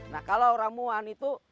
nah kalau ramuan itu